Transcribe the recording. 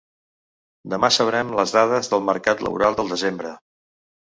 Demà sabrem les dades del mercat laboral del desembre.